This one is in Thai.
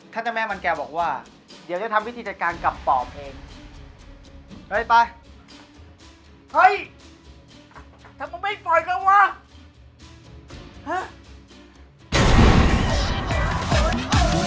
ถ้าเจ้าแม่มันแกบอกว่าเดี๋ยวจะทำวิธีจัดการกับป่อเพลง